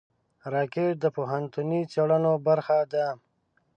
راکټ د پوهنتوني څېړنو برخه ده